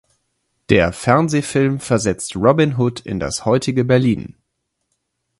Der Fernsehfilm versetzt Robin Hood in das heutige Berlin.